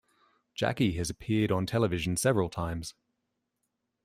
Jakki has appeared on television several times.